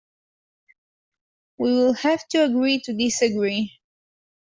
We will have to agree to disagree